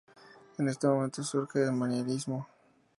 En este momento surge el manierismo.